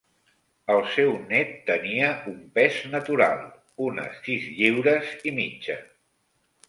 El seu nét tenia un pes natural: unes sis lliures i mitja.